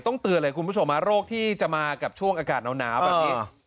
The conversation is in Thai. เตือนเลยคุณผู้ชมโรคที่จะมากับช่วงอากาศหนาวแบบนี้